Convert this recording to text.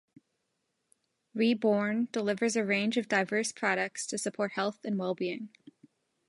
Re:Bourne delivers a range of diverse projects to support health and wellbeing.